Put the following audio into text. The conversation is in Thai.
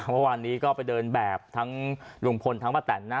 เมื่อวานนี้ก็ไปเดินแบบทั้งลุงพลทั้งป้าแตนนะ